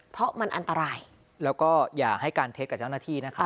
เพราะมันอันตรายแล้วก็อย่าให้การเท็จกับเจ้าหน้าที่นะครับ